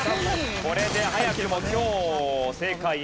これで早くも今日正解６つ目。